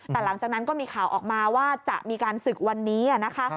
แต่หลังจากนั้นก็มีข่าวออกมาว่าจะมีการศึกวันนี้นะคะ